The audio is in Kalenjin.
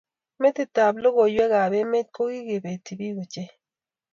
metitab logoiywekab emet kogibeti biik ochei